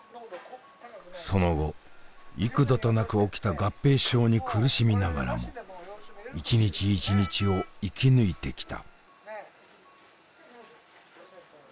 その後幾度となく起きた合併症に苦しみながらも一日一日を生き抜いてきた。